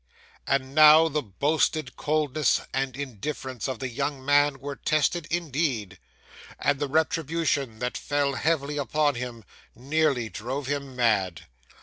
'And now the boasted coldness and indifference of the young man were tested indeed; and the retribution that fell heavily upon him nearly drove him mad.